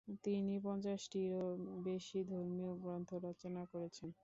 তিনি পঞ্চাশটিরও বেশি ধর্মীয় গ্রন্থ রচনা করেছেন।